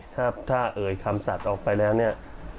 ถ้าเอ่ยคำสัตว์ออกไปแล้วเนี่ย